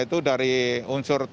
kebetulan ini kantornya dekat